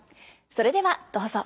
それではどうぞ。